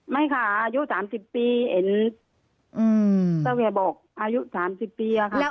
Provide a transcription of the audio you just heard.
ไม่ค่ะอายุ๓๐ปีเห็นเจ้าแม่บอกอายุ๓๐ปีอะค่ะ